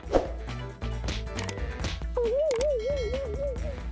bu bunuh bunuh itu